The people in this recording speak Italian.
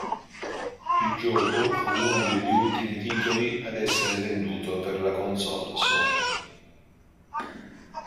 Il gioco fu uno degli ultimi titoli ad essere venduto per la console Sony.